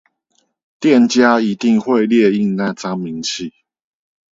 店家一定會列印那張明細